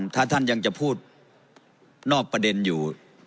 ถ้าท่านยังจะพูดนอกประเด็นอยู่